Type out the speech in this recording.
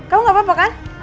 kamu gak apa apa kan